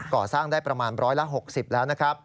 ก่อสร้างได้ประมาณร้อยละ๖๐แล้วนะครับ